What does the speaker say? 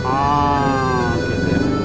oh gitu ya